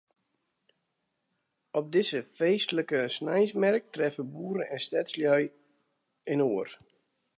Op dizze feestlike sneinsmerk treffe boeren en stedslju inoar.